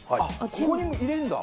ここに入れるんだ。